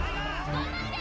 ・頑張って！